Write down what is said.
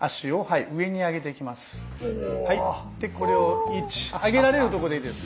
これを１上げられるとこでいいです。